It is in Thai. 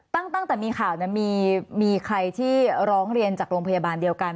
ตั้งแต่มีข่าวมีใครที่ร้องเรียนจากโรงพยาบาลเดียวกัน